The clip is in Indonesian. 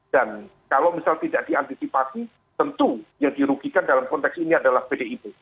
dan kalau misalnya tidak diantisipasi tentu yang dirugikan dalam konteks ini adalah pdip